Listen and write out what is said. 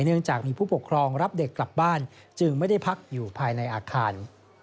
เนื่องจากมีผู้ปกครองรับเด็กกลับบ้านจึงไม่ได้พักอยู่ภายในอาคาร